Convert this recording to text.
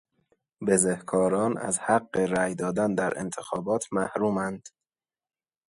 بزهکاران از حق رای دادن در انتخابات محروماند.